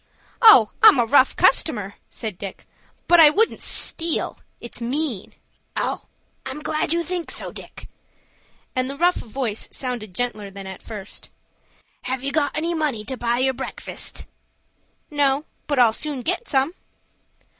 "Oh, I'm a rough customer!" said Dick. "But I wouldn't steal. It's mean." "I'm glad you think so, Dick," and the rough voice sounded gentler than at first. "Have you got any money to buy your breakfast?" "No, but I'll soon get some."